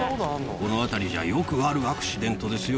この辺りじゃよくあるアクシデントですよ。